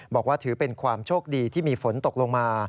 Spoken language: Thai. บอกว่าถือเป็นความโชคดีที่มีฝนตกลงมา